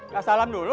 ya salam dulu